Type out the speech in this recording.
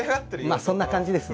まあそんな感じですね。